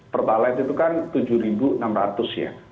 pertalite itu kan rp tujuh enam ratus ya